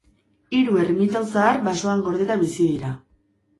Hiru ermitau zahar basoan gordeta bizi dira.